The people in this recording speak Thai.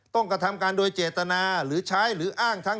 กระทำการโดยเจตนาหรือใช้หรืออ้างทั้ง